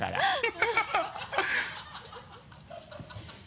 ハハハ